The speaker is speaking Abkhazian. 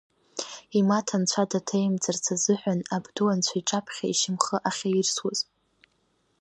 Имаҭа Анцәа даҭанаимҵарц азыҳәан, абду Анцәа иҿаԥхьа ишьамхы ахьаирсуаз.